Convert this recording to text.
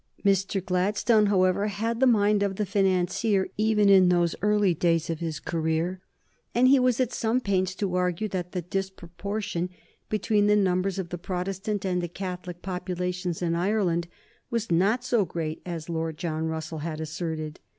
Mr. Gladstone, however, had the mind of the financier even in those early days of his career, and he was at some pains to argue that the disproportion between the numbers of the Protestant and the Catholic populations in Ireland was not so great as Lord John Russell had asserted.